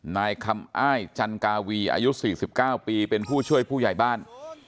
นายคำอ้ายจันกาวีอายุ๔๙ปีเป็นผู้ช่วยผู้ใหญ่บ้าน